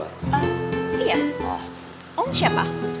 iya oh siapa